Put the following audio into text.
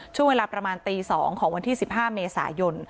ช่วงเวลาประมาณตี๒ของวันที่๑๕เมษายน